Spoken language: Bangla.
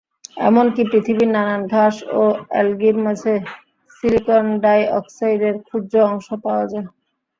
এমনকি পৃথিবীর নানান ঘাস ও এলগির মাঝে সিলিকন ডাইঅক্সাইডের ক্ষুদ্র অংশ পাওয়া যায়।